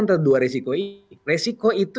antara dua resiko ini resiko itu